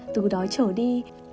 từ đó trở đi